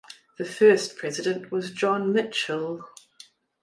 The first president was John Mitchell.